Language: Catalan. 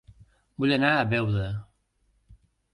Vull anar a Beuda